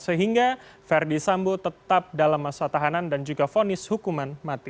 sehingga verdi sambo tetap dalam masa tahanan dan juga fonis hukuman mati